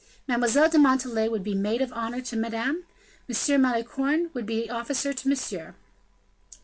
Mademoiselle de Montalais would be maid of honor to Madame. M. Malicorne would be officer to Monsieur.